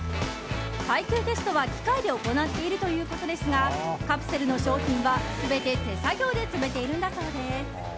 耐久テストは、機械で行っているということですがカプセルの商品は全て手作業で詰めているんだそうです。